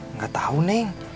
nggak tahu neng